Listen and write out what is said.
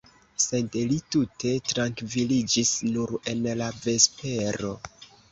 Sed li tute trankviliĝis nur en la vespero.